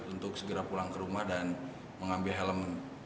untuk segera pulang ke rumah dan mengambil helm